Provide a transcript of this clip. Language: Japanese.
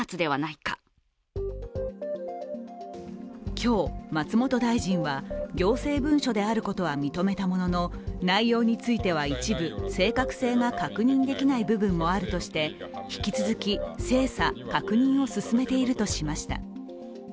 今日、松本大臣は、行政文書であることは認めたものの内容については一部正確性が確認できない部分もあるとして引き続き精査・確認を進めているとしました。